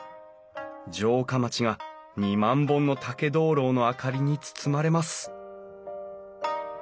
城下町が２万本の竹灯籠の明かりに包まれます